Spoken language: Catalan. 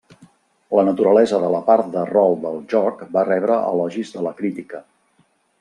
La naturalesa de la part de rol del joc va rebre elogis de la crítica.